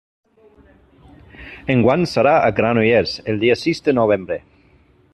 Enguany serà a Granollers, el dia sis de novembre.